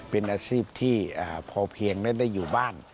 เป็นอาชีพที่พอเพียงได้อยู่บ้าน